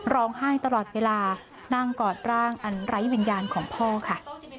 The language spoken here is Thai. ร้องไห้ตลอดเวลานั่งกอดร่างอันไร้วิญญาณของพ่อค่ะ